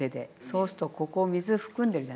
そうするとここ水含んでるじゃない？